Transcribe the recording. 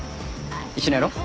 一緒にやろう。